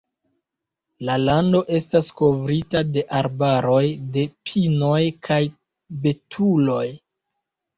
La lando estas kovrita de arbaroj de pinoj kaj betuloj.